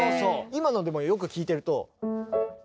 今のでもよく聴いてると。